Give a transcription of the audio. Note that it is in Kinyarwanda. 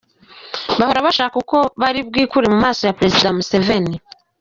Bahora bashaka uko bari bwikure mu maso ya Perezida Museveni.